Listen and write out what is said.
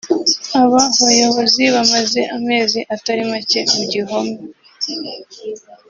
Aba bayobozi bamaze amezi atari macye mu gihome